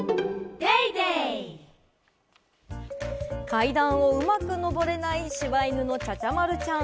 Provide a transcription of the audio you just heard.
階段をうまく上れない、しば犬の茶々丸ちゃん。